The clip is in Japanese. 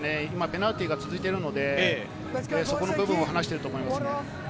ペナルティーが続いてるので、その部分を話していると思います。